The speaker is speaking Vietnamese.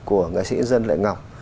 của nghệ sĩ yên dân lệ ngọc